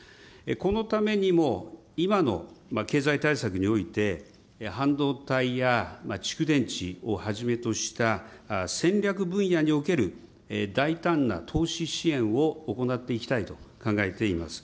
このためにも、今の経済対策において、半導体や蓄電池をはじめとした戦略分野における大胆な投資支援を行っていきたいと考えています。